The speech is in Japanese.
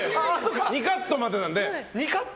２カットまでなんで。